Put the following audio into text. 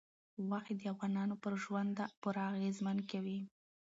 غوښې د افغانانو پر ژوند پوره اغېزمن کوي.